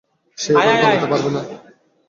সে এবার পালাতে পারবে না।